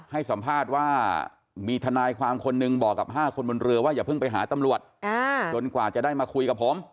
ให้สัมภาษณ์ว่ามีทนายความคนหนึ่งบอกกับ๕คนบนเรือว่าอย่าเพิ่งไปหาตำรวจจนกว่าจะได้มาคุยกับผม